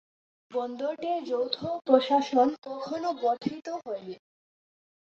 বন্দরটির যৌথ প্রশাসন কখনও গঠিত হয়নি।